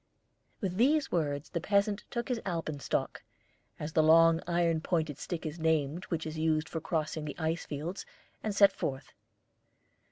With these words the peasant took his alpenstock, as the long iron pointed stick is named which is used for crossing the ice fields, and set forth.